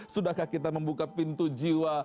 sudahkah kita membuka pintu jiwa